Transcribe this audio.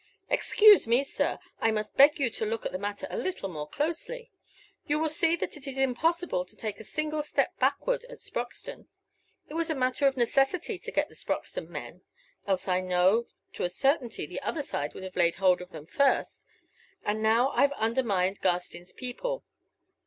"Excuse me, sir; I must beg you to look at the matter a little more closely. You will see that it is impossible to take a single step backward at Sproxton. It was a matter of necessity to get the Sproxton men; else I know to a certainty the other side would have laid hold of them first, and now I've undermined Garstin's people.